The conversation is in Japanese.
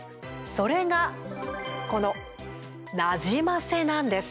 それがこの「なじませ」なんです。